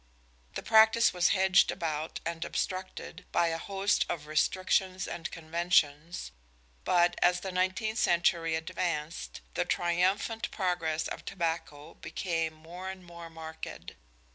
The practice was hedged about and obstructed by a host of restrictions and conventions, but as the nineteenth century advanced the triumphant progress of tobacco became more and more marked.